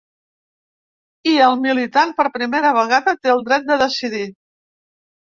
I el militant, per primera vegada, té el dret de decidir.